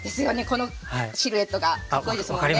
このシルエットがかっこいいですもんね。